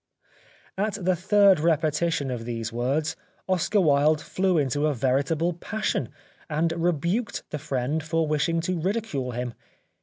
At the third repetition of these words, Oscar Wilde flew into a veritable passion and rebuked the friend for wishijig to ridicule him.